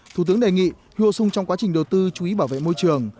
thủ tướng đề nghị hyo sung trong quá trình đầu tư chú ý bảo vệ môi trường